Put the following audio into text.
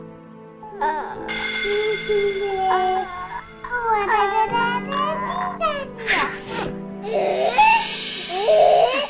bebe kamu ada suaranya